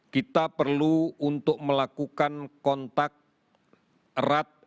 kita perlu untuk melakukan kontak erat